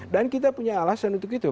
dan kita punya alasan untuk itu